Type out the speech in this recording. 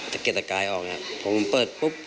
สะเกร็ดสะกายผมเปิด